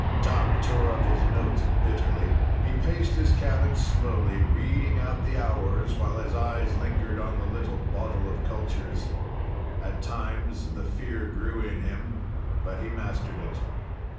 Doc tore up his notes bitterly. He paced his cabin slowly, reading out the hours while his eyes lingered on the little bottle of cultures. At times the fear grew in him, but he mastered it.